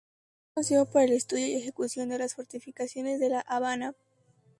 Es conocido por el estudio y ejecución de las fortificaciones de La Habana.